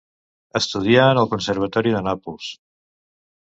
Estudià en el Conservatori de Nàpols.